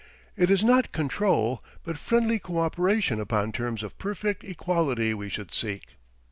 It is not control, but friendly coöperation upon terms of perfect equality we should seek.